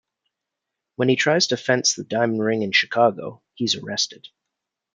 When he tries to fence the diamond ring in Chicago, he's arrested.